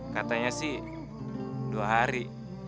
katanya sih dua hari